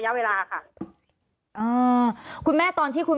มันเป็นอาหารของพระราชา